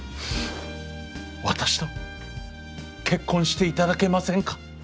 「私と結婚していただけませんか」。